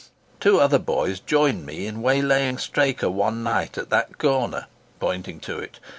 Two other boys joined me in waylaying Straker one night at that corner," pointing to it.